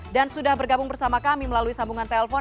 dan sudah bergabung bersama kami melalui sambungan telpon